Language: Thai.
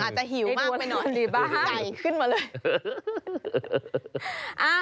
อาจจะหิวมากไปหน่อยหิวบ้าง